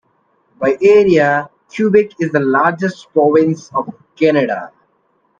By area, Quebec is the largest province of Canada.